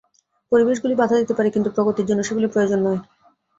পরিবেশগুলি বাধা দিতে পারে, কিন্তু প্রগতির জন্য সেগুলি প্রয়োজন নয়।